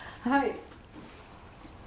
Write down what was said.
はい。